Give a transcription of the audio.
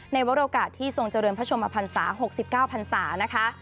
ในวรโอกาสที่ทรงเจริญพระชมพันศา๖๙พันศานะคะ